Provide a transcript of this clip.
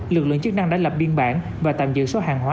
lực lượng chức năng đã lập biên bản và tạm giữ số hàng hóa